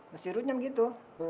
pasti runyam gitu